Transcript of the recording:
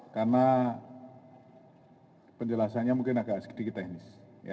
karena penjelasannya mungkin agak sedikit teknis